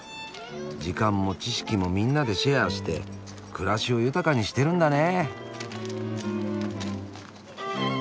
時間も知識もみんなでシェアして暮らしを豊かにしてるんだね。